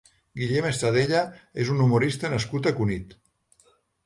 Guillem Estadella és un humorista nascut a Cunit.